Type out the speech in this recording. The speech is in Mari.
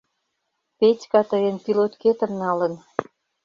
— Петька тыйын пилоткетым налын.